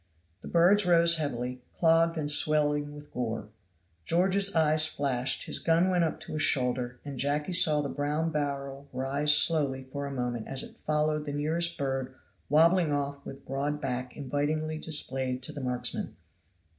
The birds rose heavily, clogged and swelling with gore. George's eyes flashed, his gun went up to his shoulder, and Jacky saw the brown barrel rise slowly for a moment as it followed the nearest bird wobbling off with broad back invitingly displayed to the marksman.